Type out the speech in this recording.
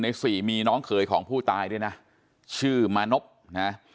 ๑ใน๔มีน้องเขยของผู้ตายด้วยนะชื่อมณพนะฮะ